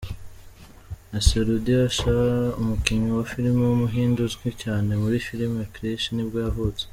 Naseeruddin Shah, umukinnyi wa film w’umuhinde uzwi cyane muri film Krissh nibwo yavutse.